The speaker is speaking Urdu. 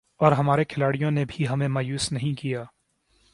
اور ہمارے کھلاڑیوں نے بھی ہمیں مایوس نہیں کیا